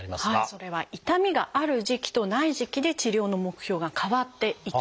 それは痛みがある時期とない時期で治療の目標が変わっていきます。